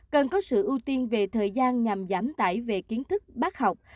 cần có sự ưu tiên về thời gian nhằm giảm tải về kiến thức bác học